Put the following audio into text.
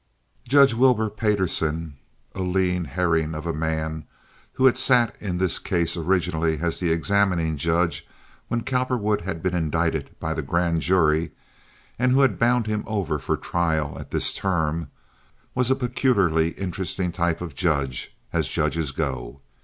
Judge Wilbur Payderson, a lean herring of a man, who had sat in this case originally as the examining judge when Cowperwood had been indicted by the grand jury, and who had bound him over for trial at this term, was a peculiarly interesting type of judge, as judges go.